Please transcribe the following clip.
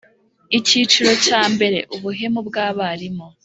Icyiciro cya mbere Ubuhemu bwabarimu